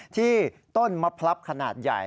ที่ต้นมะพลับขนาดใหญ่